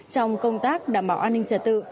trong công tác đảm bảo an ninh trả tự